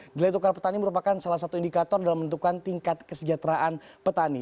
nilai tukar petani merupakan salah satu indikator dalam menentukan tingkat kesejahteraan petani